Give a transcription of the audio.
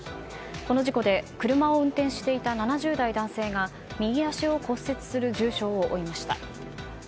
この事故で、車を運転していた７０代男性が右足を骨折する重傷を負いました。